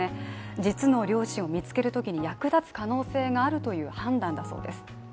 実の両親を見つけるときに役立つ可能性があるという判断だそうです。